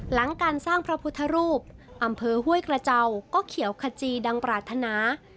หลังการสร้างพระพุทธรูปอำเภอห้วยกระเจ้าก็เขียวขจีดังปรารถนา